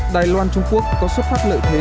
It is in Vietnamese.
tài loan trung quốc có xuất phát lợi thế